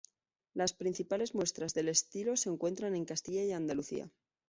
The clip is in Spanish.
Las principales muestras del estilo se encuentran en Castilla y Andalucía.